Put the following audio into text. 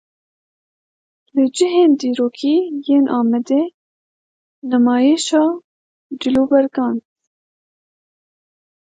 Li cihên dîrokî yên Amedê nimayişa cilûbergan.